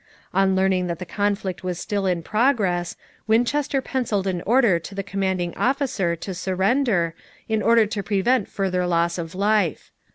On learning that the conflict was still in progress, Winchester pencilled an order to the commanding officer to surrender, in order to prevent further loss of life.